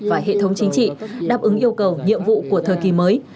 và hệ thống chính trị đáp ứng yêu cầu nhiệm vụ của thời kỳ mới